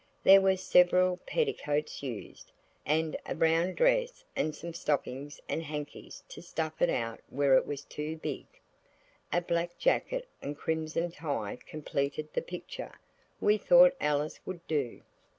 There were several petticoats used, and a brown dress and some stockings and hankies to stuff it out where it was too big. A black jacket and crimson tie completed the picture. We thought Alice would do.